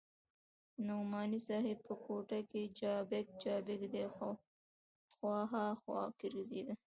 نعماني صاحب په کوټه کښې چابک چابک دې خوا ها خوا ګرځېده.